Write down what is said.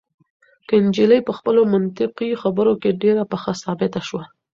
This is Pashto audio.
هغه نجلۍ په خپلو منطقي خبرو کې ډېره پخه ثابته شوه.